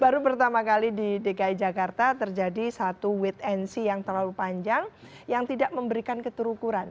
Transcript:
baru pertama kali di dki jakarta terjadi satu wait and see yang terlalu panjang yang tidak memberikan keterukuran